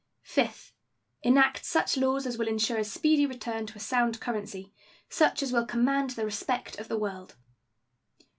Fifth. Enact such laws as will insure a speedy return to a sound currency, such as will command the respect of the world.